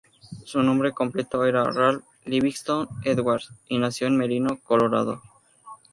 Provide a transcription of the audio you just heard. Su nombre completo era Ralph Livingstone Edwards, y nació en Merino, Colorado.